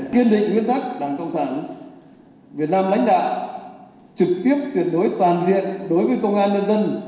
kiên định nguyên tắc đảng cộng sản việt nam lãnh đạo trực tiếp tuyệt đối toàn diện đối với công an nhân dân